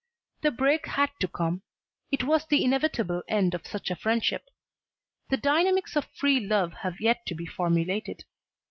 The break had to come. It was the inevitable end of such a friendship. The dynamics of free love have yet to be formulated.